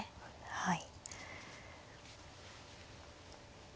はい。